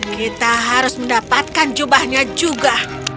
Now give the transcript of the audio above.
kita harus mendapatkan jubahnya juga